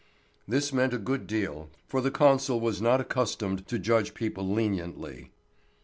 This meant a good deal, for the consul was not accustomed to judge people leniently.